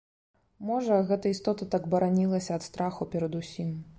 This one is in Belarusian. Можа, гэта істота так баранілася ад страху перад усім.